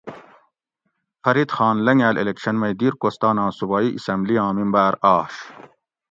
فرید خان لنگاۤل الیکشن مئ دیر کوستاناں صوبائ اسمبلی آں ممباۤر آش